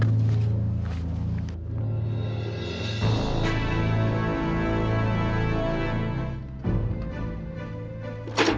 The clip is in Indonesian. ikut bapak said